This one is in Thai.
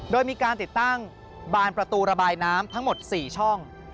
โดยมีการติดตั้งบานประตูระบายน้ำทั้งหมด๔ช่อง